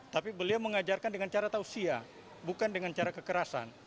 tapi beliau mengajarkan dengan cara tausia bukan dengan cara kekerasan